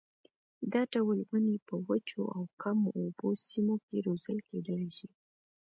دا ډول ونې په وچو او کمو اوبو سیمو کې روزل کېدلای شي.